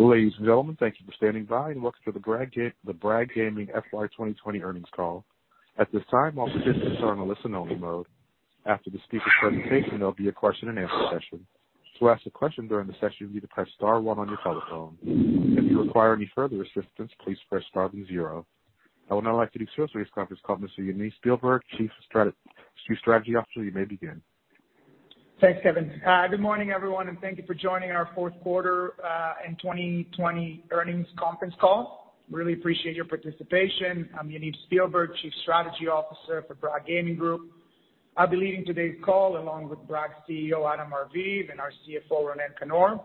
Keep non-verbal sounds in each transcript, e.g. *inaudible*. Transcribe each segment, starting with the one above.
Ladies and gentlemen, thank you for standing by, and welcome to the Bragg Gaming FY 2020 earnings call. At this time, all participants are on a listen only mode. After the speaker presentation, there'll be a question and answer session. To ask a question during the session, you need to press star one on your telephone. If you require any further assistance, please press star then zero. I would now like to introduce this conference call, Mr. Yaniv Spielberg, Chief Strategy Officer. You may begin. Thanks, Kelvin. Good morning, everyone. Thank you for joining our fourth quarter and 2020 earnings conference call. Really appreciate your participation. I'm Yaniv Spielberg, Chief Strategy Officer for Bragg Gaming Group. I'll be leading today's call along with Bragg CEO Adam Arviv and our CFO, Ronen Kannor.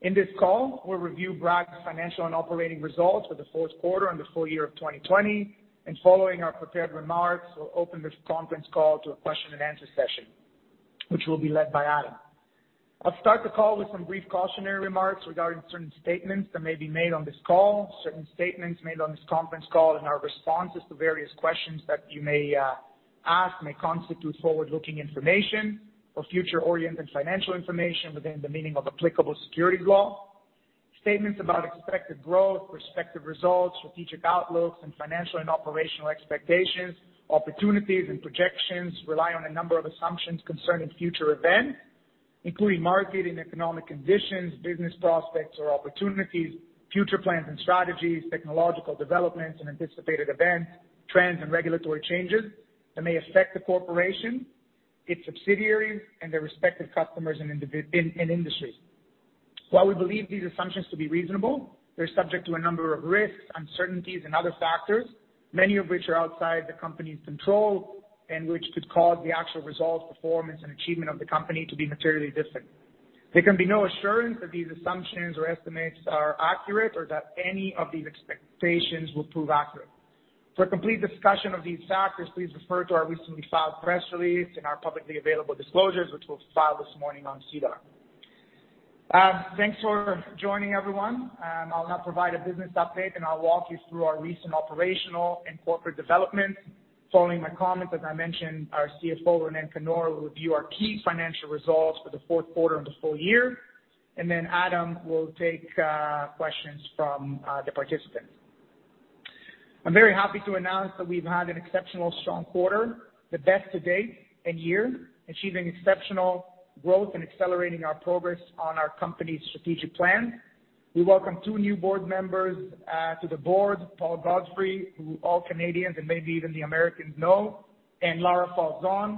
In this call, we'll review Bragg's financial and operating results for the fourth quarter and the full year of 2020. Following our prepared remarks, we'll open this conference call to a question and answer session, which will be led by Adam. I'll start the call with some brief cautionary remarks regarding certain statements that may be made on this call. Certain statements made on this conference call and our responses to various questions that you may ask may constitute forward-looking information or future-oriented financial information within the meaning of applicable securities law. Statements about expected growth, respective results, strategic outlooks and financial and operational expectations, opportunities, and projections rely on a number of assumptions concerning future events, including market and economic conditions, business prospects or opportunities, future plans and strategies, technological developments and anticipated events, trends, and regulatory changes that may affect the corporation, its subsidiaries, and their respective customers in industry. While we believe these assumptions to be reasonable, they're subject to a number of risks, uncertainties, and other factors, many of which are outside the company's control and which could cause the actual results, performance, and achievement of the company to be materially different. There can be no assurance that these assumptions or estimates are accurate or that any of these expectations will prove accurate. For a complete discussion of these factors, please refer to our recently filed press release and our publicly available disclosures, which we will file this morning on SEDAR. Thanks for joining, everyone. I will now provide a business update, and I will walk you through our recent operational and corporate developments. Following my comments, as I mentioned, our CFO, Ronen Kannor, will review our key financial results for the fourth quarter and the full year. Then Adam will take questions from the participants. I am very happy to announce that we have had an exceptional strong quarter, the best to date and year, achieving exceptional growth and accelerating our progress on our company’s strategic plan. We welcome two new board members to the board, Paul Godfrey, who all Canadians and maybe even the Americans know, and Lara Falzon.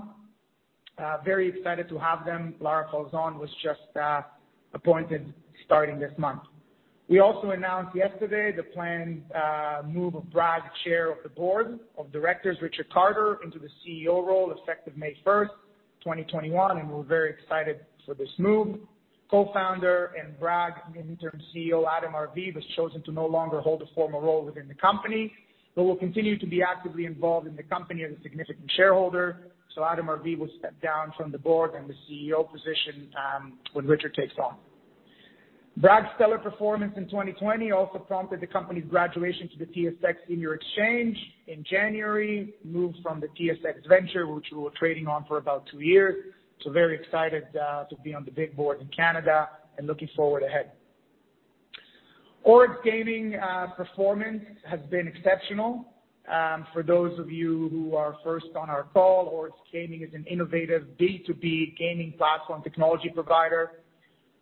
Very excited to have them. Lara Falzon was just appointed starting this month. We also announced yesterday the planned move of Bragg Chair of the Board of Directors, Richard Carter, into the CEO role effective May 1, 2021, and we're very excited for this move. Co-founder and Bragg interim CEO, Adam Arviv, was chosen to no longer hold a formal role within the company, but will continue to be actively involved in the company as a significant shareholder. Adam Arviv will step down from the board and the CEO position when Richard takes on. Bragg's stellar performance in 2020 also prompted the company's graduation to the TSX Senior Exchange in January, moved from the TSX Venture, which we were trading on for about two years. Very excited to be on the big board in Canada and looking forward ahead. ORYX Gaming performance has been exceptional. For those of you who are first on our call, ORYX Gaming is an innovative B2B gaming platform technology provider.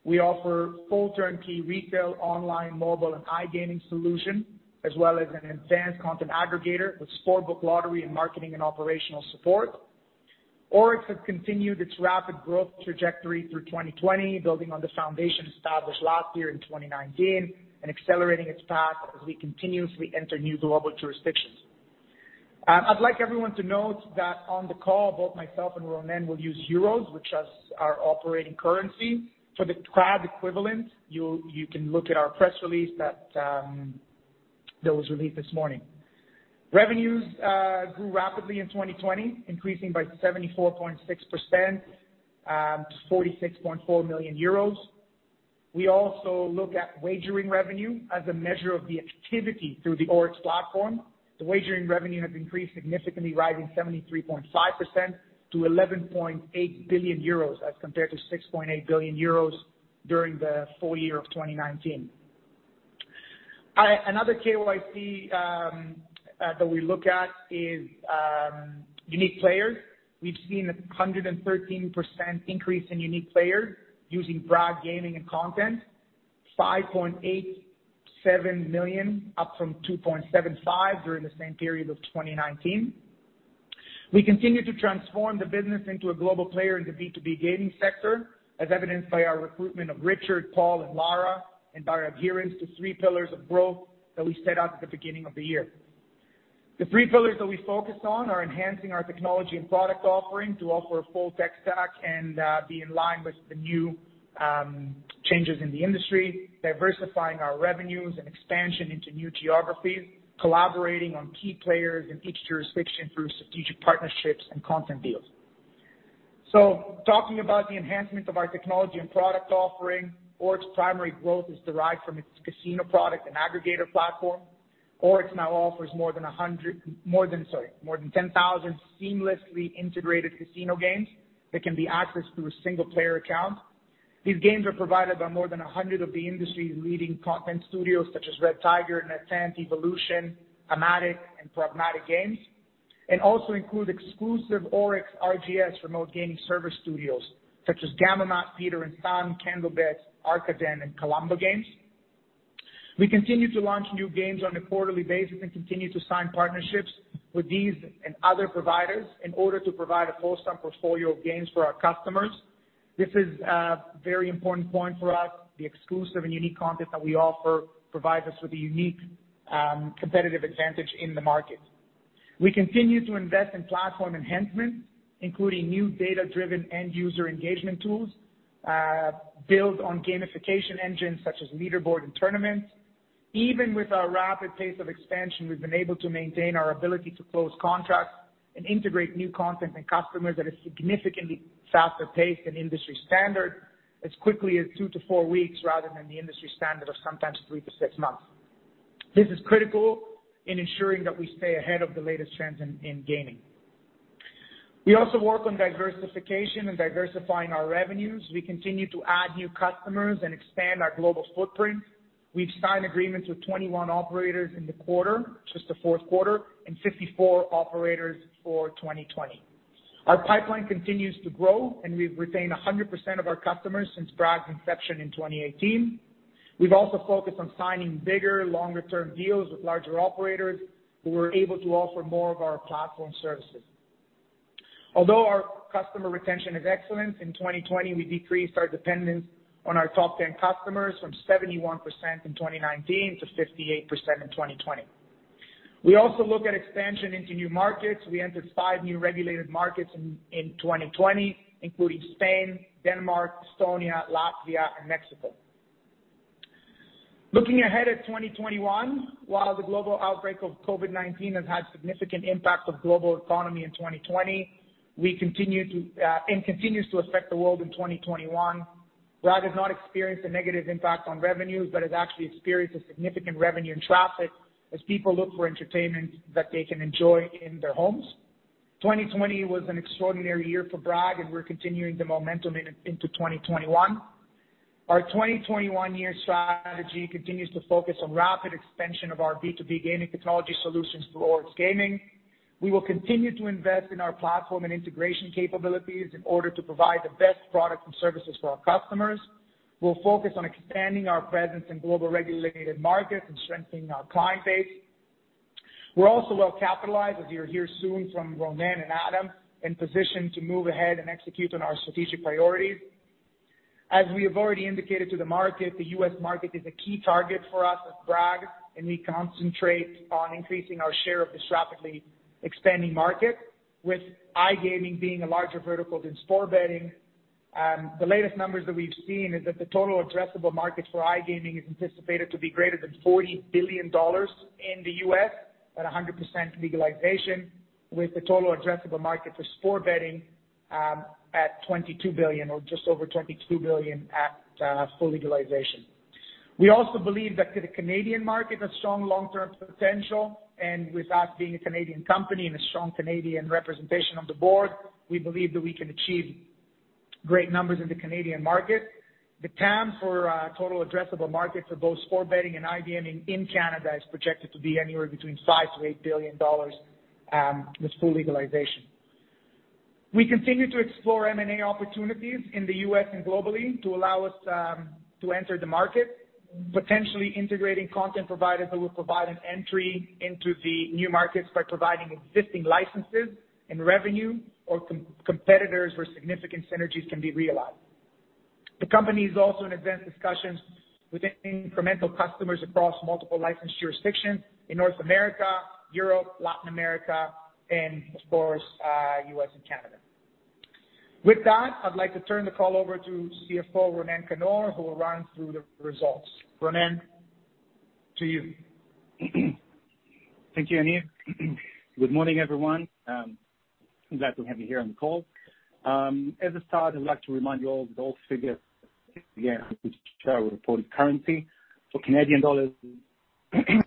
We offer full turnkey retail, online, mobile, and iGaming solution, as well as an advanced content aggregator with sportsbook lottery and marketing and operational support. ORYX has continued its rapid growth trajectory through 2020, building on the foundation established last year in 2019 and accelerating its path as we continuously enter new global jurisdictions. I'd like everyone to note that on the call, both myself and Ronen will use euros, which is our operating currency. For the CAD equivalent, you can look at our press release that was released this morning. Revenues grew rapidly in 2020, increasing by 74.6% to 46.4 million euros. We also look at wagering revenue as a measure of the activity through the ORYX platform. The wagering revenue has increased significantly, rising 73.5% to 11.8 billion euros as compared to 6.8 billion euros during the full year of 2019. Another KPI that we look at is unique players. We've seen 113% increase in unique players using Bragg Gaming and content, 5.87 million, up from 2.75 during the same period of 2019. We continue to transform the business into a global player in the B2B gaming sector, as evidenced by our recruitment of Richard, Paul, and Lara, and by our adherence to three pillars of growth that we set out at the beginning of the year. The three pillars that we focus on are enhancing our technology and product offering to offer a full tech stack and be in line with the new changes in the industry, diversifying our revenues and expansion into new geographies, collaborating on key players in each jurisdiction through strategic partnerships and content deals. Talking about the enhancement of our technology and product offering, ORYX primary growth is derived from its casino product and aggregator platform. ORYX now offers more than 10,000 seamlessly integrated casino games that can be accessed through a single player account. These games are provided by more 100 of the industry's leading content studios such as Red Tiger, NetEnt, Evolution, Amatic, and Pragmatic Play, and also include exclusive ORYX RGS remote gaming server studios such as Gamomat, Peter & Sons, CandleBets, Arcadem, and Kalamba Games. We continue to launch new games on a quarterly basis and continue to sign partnerships with these and other providers in order to provide a full stack portfolio of games for our customers. This is a very important point for us. The exclusive and unique content that we offer provides us with a unique competitive advantage in the market. We continue to invest in platform enhancements, including new data-driven end-user engagement tools, build on gamification engines such as leaderboard and tournaments. Even with our rapid pace of expansion, we've been able to maintain our ability to close contracts and integrate new content and customers at a significantly faster pace than industry standard, as quickly as two to four weeks, rather than the industry standard of sometimes three to six months. This is critical in ensuring that we stay ahead of the latest trends in gaming. We also work on diversification and diversifying our revenues. We continue to add new customers and expand our global footprint. We've signed agreements with 21 operators in the quarter, just the fourth quarter, and 54 operators for 2020. Our pipeline continues to grow, and we've retained 100% of our customers since Bragg's inception in 2018. We've also focused on signing bigger, longer-term deals with larger operators who are able to offer more of our platform services. Although our customer retention is excellent, in 2020, we decreased our dependence on our top 10 customers from 71% in 2019 to 58% in 2020. We also look at expansion into new markets. We entered five new regulated markets in 2020, including Spain, Denmark, Estonia, Latvia, and Mexico. Looking ahead at 2021, while the global outbreak of COVID-19 has had significant impact on global economy in 2020, and continues to affect the world in 2021, Bragg has not experienced a negative impact on revenues but has actually experienced a significant revenue in traffic as people look for entertainment that they can enjoy in their homes. 2020 was an extraordinary year for Bragg. We're continuing the momentum into 2021. Our 2021 year strategy continues to focus on rapid expansion of our B2B gaming technology solutions through ORYX Gaming. We will continue to invest in our platform and integration capabilities in order to provide the best products and services for our customers. We'll focus on expanding our presence in global regulated markets and strengthening our client base. We're also well capitalized, as you'll hear soon from Ronen and Adam, and positioned to move ahead and execute on our strategic priorities. As we have already indicated to the market, the U.S. market is a key target for us at Bragg, and we concentrate on increasing our share of this rapidly expanding market, with iGaming being a larger vertical than sport betting. The latest numbers that we've seen is that the total addressable market for iGaming is anticipated to be greater than $40 billion in the U.S., at 100% legalization, with the total addressable market for sport betting at just over $22 billion at full legalization. We also believe that the Canadian market has strong long-term potential, and with us being a Canadian company and a strong Canadian representation on the board, we believe that we can achieve great numbers in the Canadian market. The TAM, or Total Addressable Market, for both sport betting and iGaming in Canada is projected to be anywhere between EUR 5 billion-EUR 8 billion with full legalization. We continue to explore M&A opportunities in the U.S. and globally to allow us to enter the market, potentially integrating content providers who will provide an entry into the new markets by providing existing licenses and revenue or competitors where significant synergies can be realized. The company is also in advanced discussions with incremental customers across multiple licensed jurisdictions in North America, Europe, Latin America, and of course, U.S. and Canada. With that, I'd like to turn the call over to CFO, Ronen Kannor, who will run through the results. Ronen, to you. Thank you, Yaniv. Good morning, everyone. I'm glad to have you here on the call. As a start, I'd like to remind you all that all figures again, which show reported currency for Canadian dollars you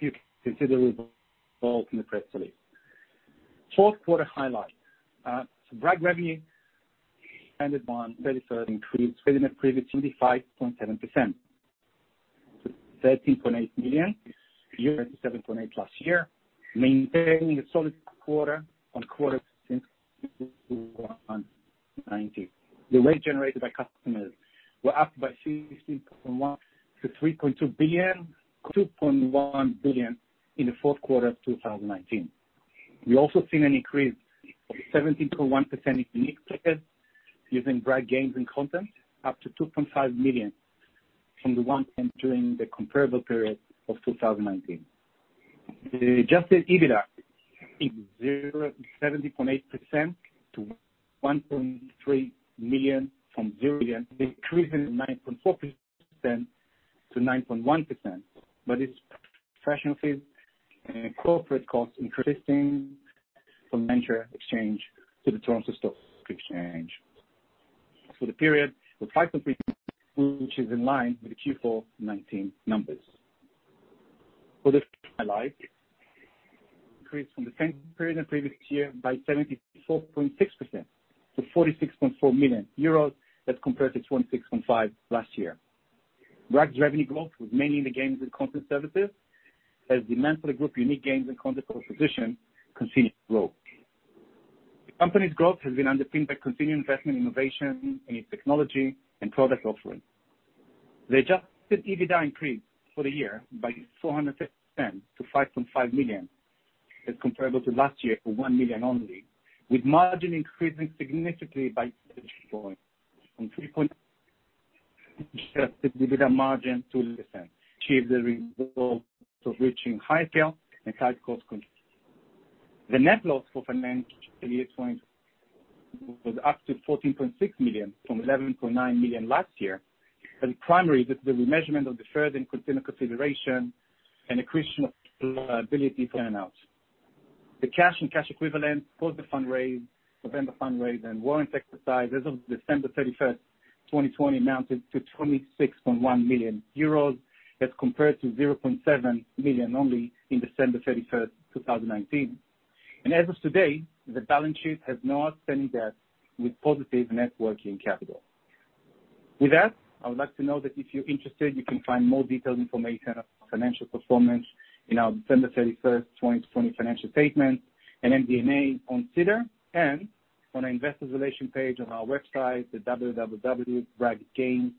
can consider it all in the press release. Fourth quarter highlight. Bragg revenue ended on 31st increased 75.7% to 13.8 million versus 7.8 last year, maintaining a solid quarter-on-quarter since Q4 2019. The revenue generated by customers were up by 16.1% to 3.2 billion, 2.1 billion in the fourth quarter of 2019. We also seen an increase of 17.1% in unique players using Bragg games and content up to 2.5 million from the 1.10 during the comparable period of 2019. The adjusted EBITDA increased 70.8% to 1.3 million from 0.8 Increasing 9.4% to 9.1%. Its professional fee and corporate costs increasing from TSX Venture Exchange to the Toronto Stock Exchange. For the period of five complete, which is in line with the Q4 2019 numbers. For the increase from the same period the previous year by 74.6% to 46.4 million euros as compared to 26.5 million last year. Bragg's revenue growth was mainly in the games and content services as demand for the group unique games and content proposition continued to grow. The company's growth has been underpinned by continuing investment in innovation, in its technology, and product offering. The adjusted EBITDA increased for the year by 450% to 5.5 million as comparable to last year for 1 million only, with margin increasing significantly by *audio distortion* adjusted EBITDA margin to less than achieve the result of reaching high scale and tight cost control. The net loss for financial year 2020 was up to 14.6 million from 11.9 million last year. Primarily, this is the remeasurement of deferred and continued consideration and accretion of liability fair values. The cash and cash equivalent post the November fund raise and warrants exercise as of December 31st, 2020 amounted to 26.1 million euros as compared to 0.7 million only in December 31st, 2019. As of today, the balance sheet has no outstanding debt with positive net working capital. With that, I would like to know that if you're interested, you can find more detailed information of our financial performance in our December 31, 2020 financial statement and MD&A on SEDAR and on our investor relation page of our website, bragggaming.com.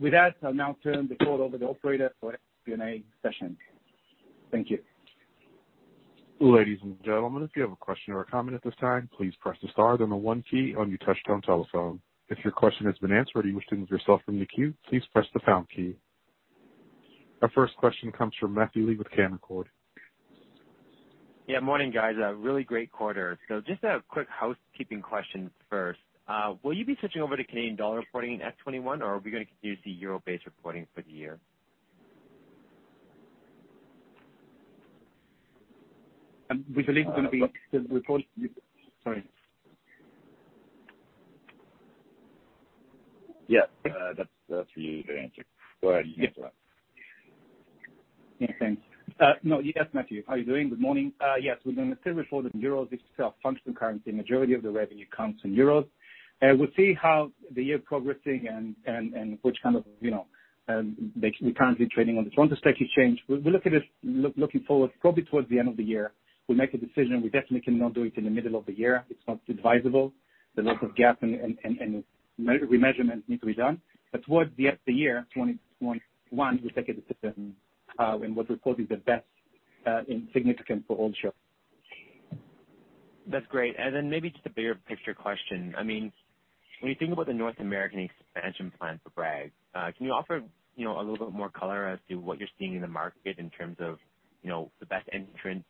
With that, I'll now turn the call over to Operator for Q&A session. Thank you. Thank you ladies and gentlemen. If you have a question or a comment at this time, please press the star, then the one key on your touchtone telephone. If your question has been answered and you wish to remove from yourself from the queue, please press the pound key. Our first question comes from Matthew Lee with Canaccord. Yeah, morning, guys. A really great quarter. Just a quick housekeeping question first. Will you be switching over to Canadian dollar reporting in S21, or are we gonna continue to see EUR-based reporting for the year? We believe it's going to be the report. Sorry. Yeah, that's for you to answer. Go ahead, you can answer that. Thanks. No. Yes, Matthew. How you doing? Good morning. Yes, we're gonna still report in EUR. It's our functional currency. Majority of the revenue comes in EUR. We'll see how the year progressing and which kind of, you know, we're currently trading on the Toronto Stock Exchange. We look at it looking forward probably towards the end of the year. We make a decision. We definitely cannot do it in the middle of the year. It's not advisable. There's lots of GAAP and remeasurement need to be done. Towards the end of the year, 2021, we'll take a decision on what report is the best in significant for all shows. That's great. Maybe just a bigger picture question. I mean, when you think about the North American expansion plan for Bragg, can you offer, you know, a little bit more color as to what you're seeing in the market in terms of, you know, the best entrance,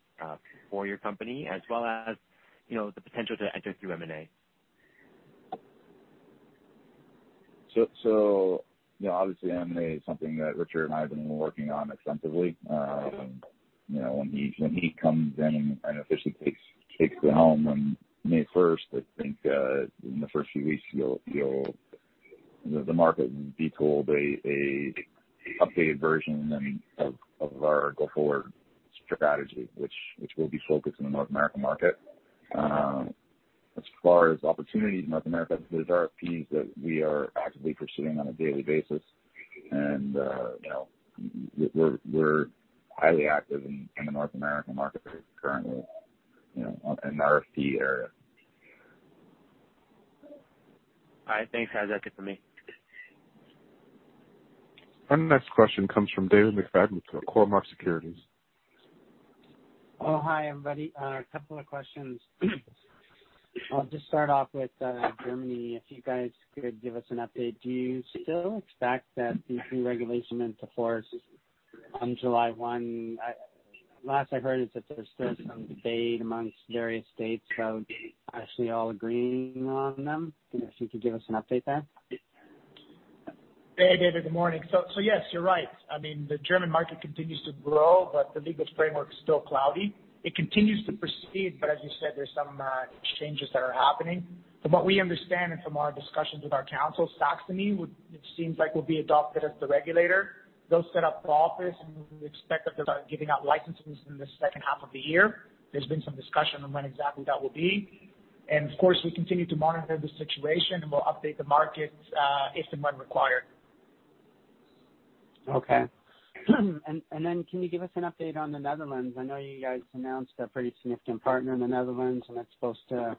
for your company as well as, you know, the potential to enter through M&A? You know, obviously M&A is something that Richard and I have been working on extensively. You know, when he comes in and kind of officially takes the helm on May first, I think, in the first few weeks The market will be told a updated version and of our go-forward strategy which will be focused on the North American market. As far as opportunities in North America, there's RFPs that we are actively pursuing on a daily basis and, you know, we're highly active in the North American market currently, you know, on an RFP area. All right. Thanks, guys. That's it for me. Our next question comes from David McFadgen with Cormark Securities. Hi, everybody. A couple of questions. I'll just start off with Germany, if you guys could give us an update. Do you still expect that the new regulation into force on July 1? Last I heard is that there's still some debate amongst various states about actually all agreeing on them. If you could give us an update there. Hey, David, good morning. Yes, you're right. I mean, the German market continues to grow, but the legal framework's still cloudy. It continues to proceed, but as you said, there's some exchanges that are happening. From what we understand and from our discussions with our council, Saxony would, it seems like will be adopted as the regulator. They'll set up the office, and we expect that they'll start giving out licenses in the second half of the year. There's been some discussion on when exactly that will be. Of course, we continue to monitor the situation and we'll update the markets, if and when required. Okay. Can you give us an update on the Netherlands? I know you guys announced a pretty significant partner in the Netherlands, and that's supposed to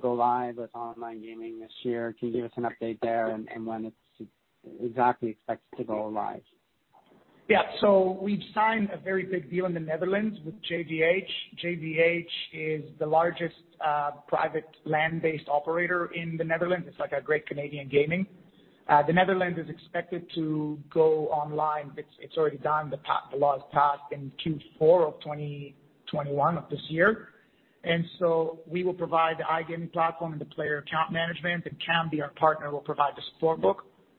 go live with online gaming this year. Can you give us an update there and when it's exactly expected to go live? Yeah. We've signed a very big deal in the Netherlands with JVH. JVH is the largest private land-based operator in the Netherlands. It's like our Great Canadian Gaming. The Netherlands is expected to go online. It's already done. The law is passed in Q4 of 2021, of this year. We will provide the iGaming platform and the Player Account Management, and Kambi, our partner, will provide the sportsbook.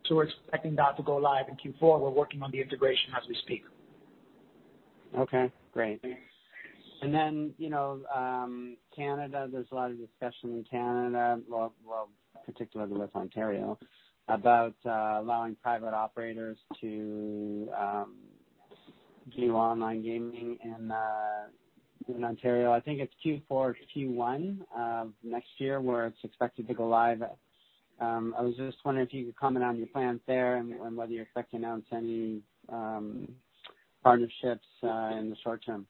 We're expecting that to go live in Q4. We're working on the integration as we speak. Okay, great. Canada, there's a lot of discussion in Canada, well, particularly with Ontario, about allowing private operators to do online gaming in Ontario. I think it's Q4, Q1 of next year where it's expected to go live. I was just wondering if you could comment on your plans there and whether you expect to announce any partnerships in the short term.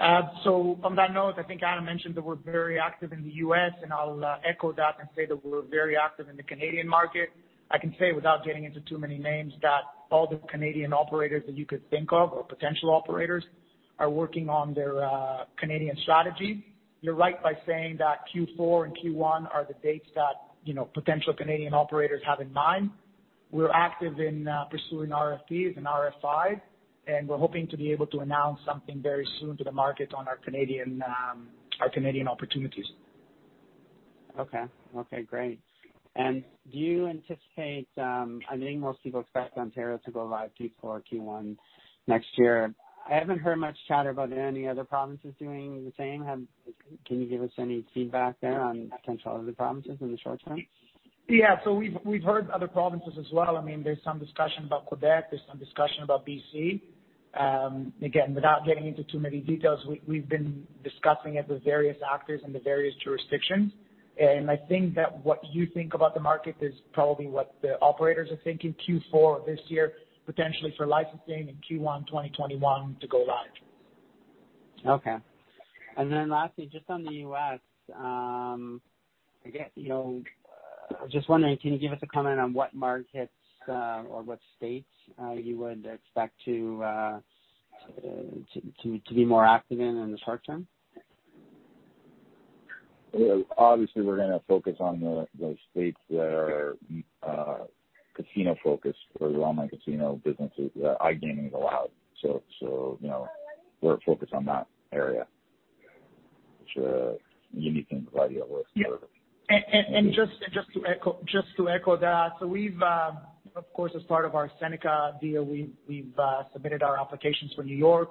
On that note, I think Adam mentioned that we're very active in the U.S., and I'll echo that and say that we're very active in the Canadian market. I can say without getting into too many names, that all the Canadian operators that you could think of or potential operators are working on their Canadian strategy. You're right by saying that Q4 and Q1 are the dates that potential Canadian operators have in mind. We're active in pursuing RFPs and RFIs, and we're hoping to be able to announce something very soon to the market on our Canadian opportunities. Okay. Great. I think most people expect Ontario to go live Q4, Q1 next year. I haven't heard much chatter about any other provinces doing the same. Can you give us any feedback there on potential other provinces in the short term? Yeah. We've heard other provinces as well. There's some discussion about Quebec, there's some discussion about B.C. Again, without getting into too many details, we've been discussing it with various actors in the various jurisdictions. I think that what you think about the market is probably what the operators are thinking. Q4 of this year, potentially for licensing in Q1 2021 to go live. Okay. Lastly, just on the U.S., I was just wondering, can you give us a comment on what markets or what states you would expect to be more active in the short term? Obviously, we're going to focus on the states that are casino-focused for online casino businesses where iGaming is allowed. We're focused on that area, which you may think probably at worst. Yeah. Just to echo that, we've, of course, as part of our Seneca deal, we've submitted our applications for New York.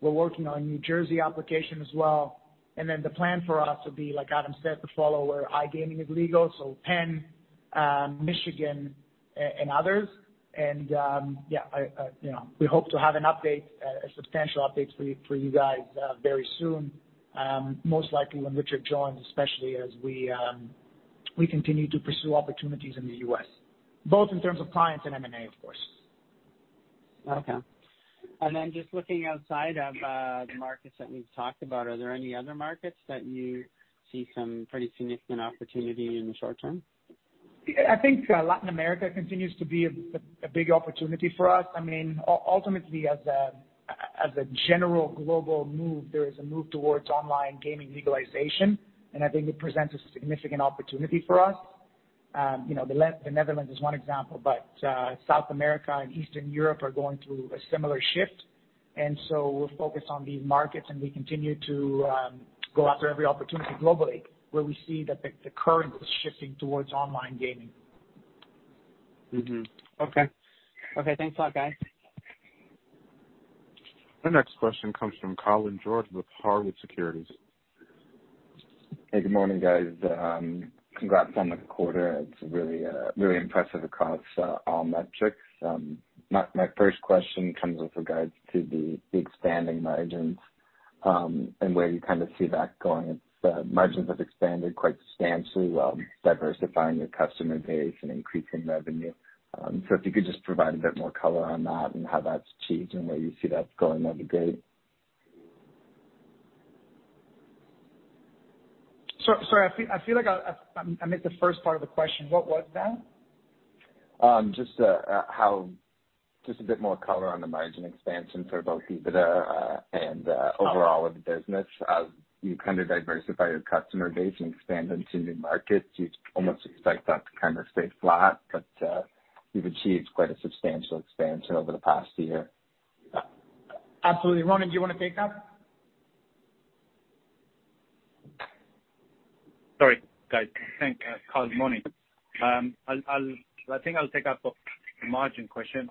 We're working on New Jersey application as well. The plan for us would be, like Adam said, to follow where iGaming is legal. Penn, Michigan, and others. Yeah, we hope to have a substantial update for you guys very soon. Most likely when Richard joins, especially as we continue to pursue opportunities in the U.S., both in terms of clients and M&A, of course. Okay. Then just looking outside of the markets that we've talked about, are there any other markets that you see some pretty significant opportunity in the short term? I think Latin America continues to be a big opportunity for us. Ultimately, as a general global move, there is a move towards online gaming legalization, and I think it presents a significant opportunity for us. The Netherlands is one example, but South America and Eastern Europe are going through a similar shift. We're focused on these markets, and we continue to go after every opportunity globally where we see that the current is shifting towards online gaming. Mm-hmm. Okay. Thanks a lot, guys. The next question comes from Colin George with Haywood Securities. Hey, good morning, guys. Congrats on the quarter. It's really impressive across all metrics. My first question comes with regards to the expanding margins, and where you kind of see that going. The margins have expanded quite substantially while diversifying your customer base and increasing revenue. If you could just provide a bit more color on that and how that's achieved and where you see that going, that'd be great. Sorry, I feel like I missed the first part of the question. What was that? Just a bit more color on the margin expansion for both EBITDA and overall of the business. You kind of diversify your customer base and expand into new markets. You'd almost expect that to kind of stay flat, you've achieved quite a substantial expansion over the past year. Absolutely. Ronen, do you want to take that? Sorry, guys. Thanks, Colin. Morning. I think I'll take up the margin question.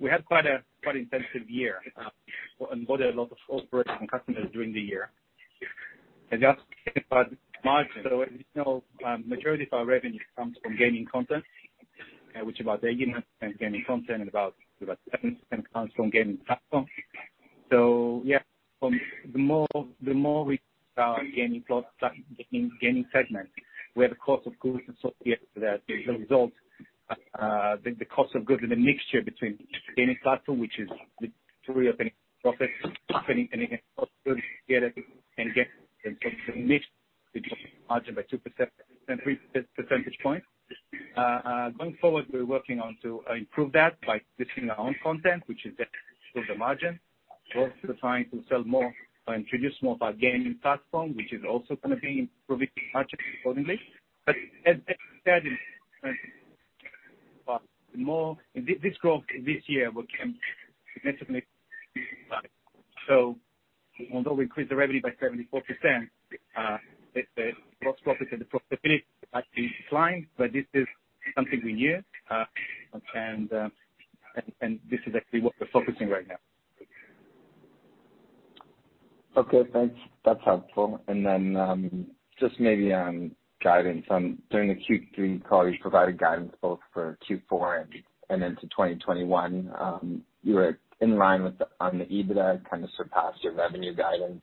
We had quite an intensive year. Onboarded a lot of operators and customers during the year. Just about margin, as you know, majority of our revenue comes from gaming content, which about 80% gaming content and about 7% comes from gaming platform. Yeah, the more we sell gaming products, that gaming segment, where the cost of goods associated with that, the results, the cost of goods and the mixture between gaming platform, which is the majority of any profit, any cost goods together can get the mix to be margin by 2% and three percentage points. Going forward, we're working on to improve that by producing our own content, which is to improve the margin. We're also trying to sell more or introduce more of our gaming platform, which is also going to be improving margin accordingly. As I said, this growth this year became significantly. Although we increased the revenue by 74%, the gross profit and the profitability is actually declining. This is something we knew. This is actually what we're focusing on right now. Okay, thanks. That's helpful. Just maybe on guidance. During the Q3 call, you provided guidance both for Q4 and into 2021. You were in line on the EBITDA, kind of surpassed your revenue guidance.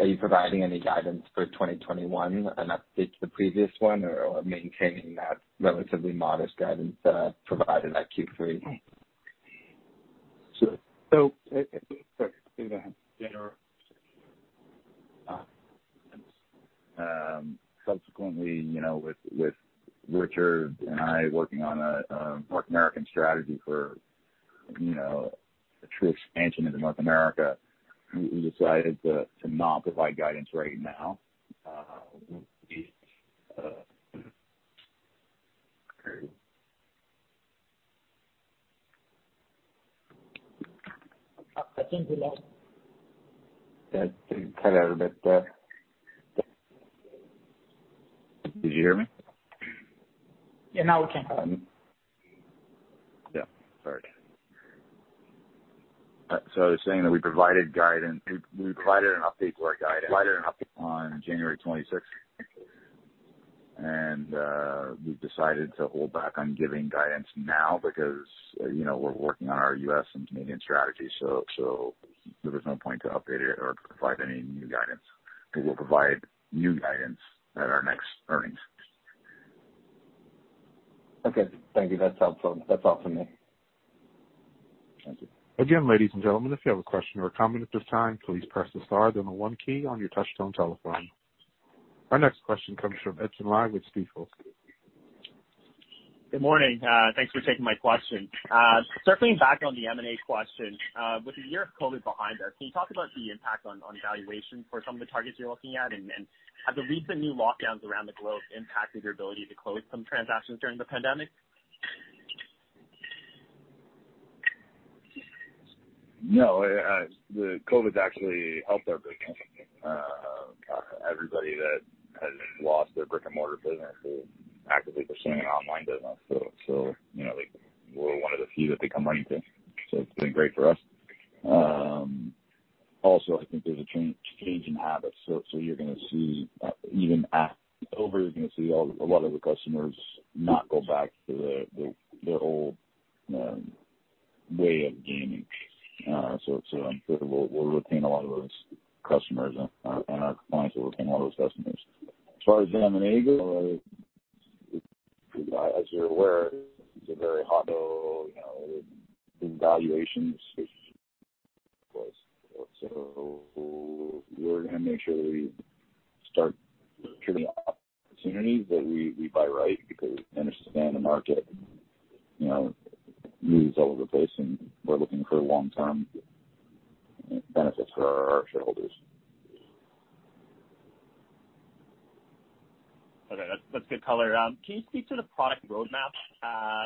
Are you providing any guidance for 2021, an update to the previous one, or maintaining that relatively modest guidance that I provided at Q3? Sorry. Go ahead. Subsequently, with Richard and I working on a North American strategy for a true expansion into North America, we decided to not provide guidance right now. I think we lost you. Got cut out a bit. Did you hear me? Yeah, now we can. Yeah. Sorry. I was saying that we provided an update for our guidance on January 26th, and we've decided to hold back on giving guidance now because we're working on our U.S. and Canadian strategy. There was no point to update it or provide any new guidance, but we'll provide new guidance at our next earnings. Okay. Thank you. That's helpful. That's all for me. Thank you. Thank you again, ladies, and gentlemen. If you have a question or a comment at this time, please press the star, then the one key on your touchtone telephone. Our next question comes from Edson Lang with Stifel. Good morning. Thanks for taking my question. Circling back on the M&A question. With a year of COVID behind us, can you talk about the impact on valuation for some of the targets you're looking at? Have the recent new lockdowns around the globe impacted your ability to close some transactions during the pandemic? No, the COVID's actually helped our business. Everybody that has lost their brick-and-mortar business is actively pursuing an online business. We're one of the few that they come running to, so it's been great for us. Also, I think there's a change in habits. You're going to see, even after COVID, you're going to see a lot of the customers not go back to their old way of gaming. I'm sure we'll retain a lot of those customers, and our clients will retain a lot of those customers. As far as M&A goes, as you're aware, it's a very hot, you know, valuations. We're going to make sure that we start opportunities that we buy right, because we understand the market moves all over the place, and we're looking for long-term benefits for our shareholders. Okay. That's good color. Can you speak to the product roadmap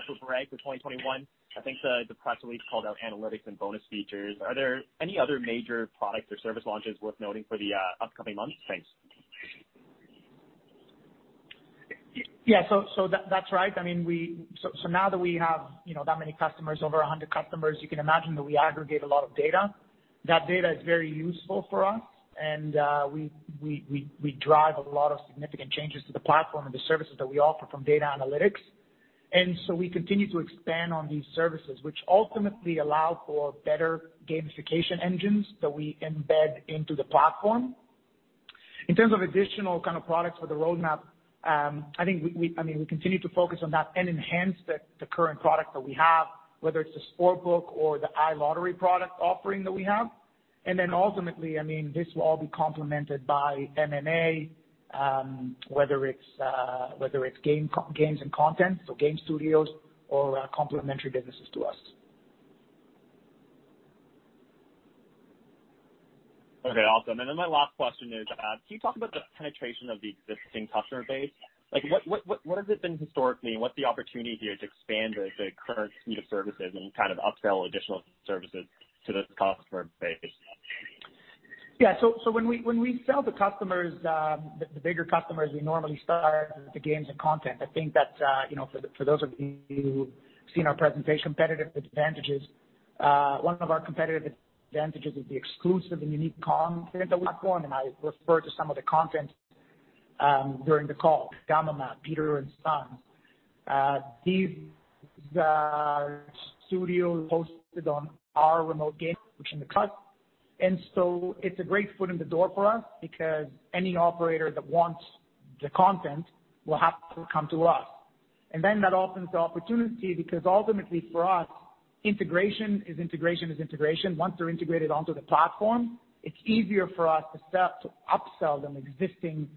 for Bragg for 2021? I think the press release called out analytics and bonus features. Are there any other major product or service launches worth noting for the upcoming months? Thanks. That's right. Now that we have that many customers, over 100 customers, you can imagine that we aggregate a lot of data. That data is very useful for us, and we drive a lot of significant changes to the platform and the services that we offer from data analytics. We continue to expand on these services, which ultimately allow for better gamification engines that we embed into the platform. In terms of additional kind of products for the roadmap, we continue to focus on that and enhance the current product that we have, whether it's the sportsbook or the iLottery product offering that we have. Ultimately, this will all be complemented by M&A, whether it's games and content, so game studios or complementary businesses to us. Okay, awesome. My last question is, can you talk about the penetration of the existing customer base? What has it been historically, and what's the opportunity here to expand the current suite of services and kind of upsell additional services to this customer base? When we sell the customers, the bigger customers, we normally start with the games and content. I think that, for those of you who've seen our presentation. One of our competitive advantages is the exclusive and unique content on the platform, and I referred to some of the content during the call. Gamomat, Peter & Sons. These are studios hosted on our remote gaming. It's a great foot in the door for us because any operator that wants the content will have to come to us. That opens the opportunity because ultimately for us, integration is integration is integration. Once they're integrated onto the platform, it's easier for us to upsell them existing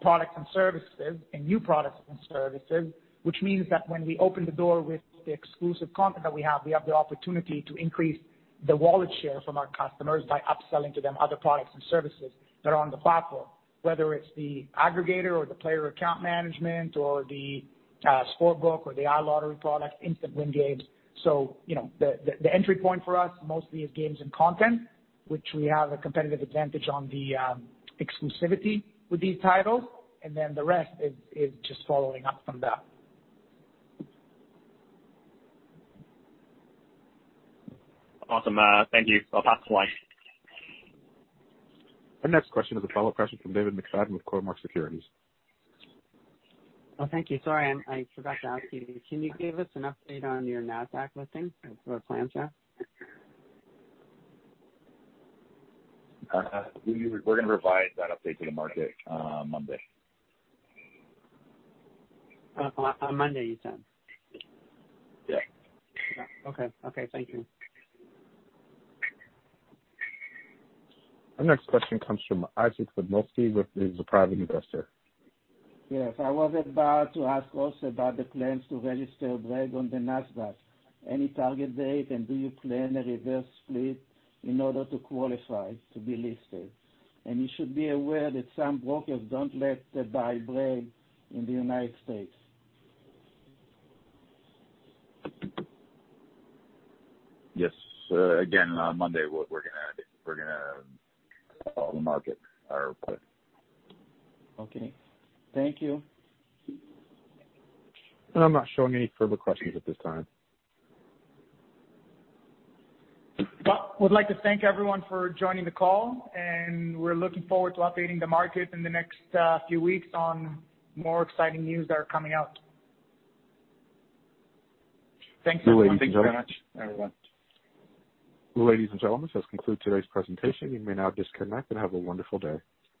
products and services and new products and services, which means that when we open the door with the exclusive content that we have, we have the opportunity to increase the wallet share from our customers by upselling to them other products and services that are on the platform, whether it's the aggregator or the Player Account Management or the sportsbook or the iLottery product, instant win games. The entry point for us mostly is games and content, which we have a competitive advantage on the exclusivity with these titles, and then the rest is just following up from that. Awesome. Thank you. I'll pass the line. Our next question is a follow question from David McFadgen with Cormark Securities. Oh, thank you. Sorry, I forgot to ask you. Can you give us an update on your NASDAQ listing or plans there? We're going to provide that update to the market on Monday. On Monday, you said? Yeah. Okay. Thank you. Our next question comes from [Isaac Vadmosky] a private investor. Yes, I was about to ask also about the plans to register Bragg on the NASDAQ. Any target date? Do you plan a reverse split in order to qualify to be listed? You should be aware that some brokers don't let them buy Bragg in the U.S. Yes. Again, on Monday, we're going to tell the market our plan. Okay. Thank you. I'm not showing any further questions at this time. Well, we'd like to thank everyone for joining the call. We're looking forward to updating the market in the next few weeks on more exciting news that are coming out. Thanks, everyone. Thank you very much, everyone. Ladies and gentlemen, this concludes today's presentation. You may now disconnect and have a wonderful day.